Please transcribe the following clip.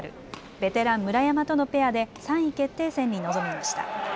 ベテラン、村山とのペアで３位決定戦に臨みました。